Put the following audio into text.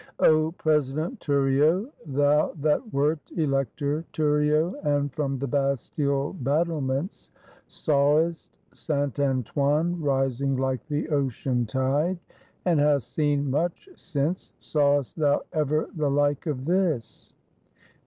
O President Thuriot, thou that wert Elector Thuriot, and from the Bastille battlements sawest Saint Antoine rising like the Ocean tide, and hast seen much since, sawest thou ever the like of this?